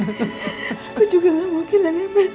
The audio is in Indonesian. aku juga gak mau kehilangan mas almas